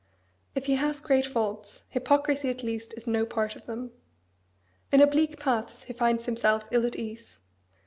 If he has great faults, hypocrisy at least is no part of them. In oblique paths he finds himself ill at ease.